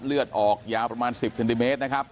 เลือดออกยาวประมาณ๑๐เซนติเมตรนะครับ